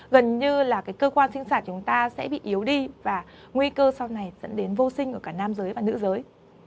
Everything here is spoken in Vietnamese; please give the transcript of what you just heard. gần như là cái cơ quan sinh sản chúng ta sẽ bị yếu đi và nguy cơ sau này dẫn đến vô sinh của cả nam giới và nữ giới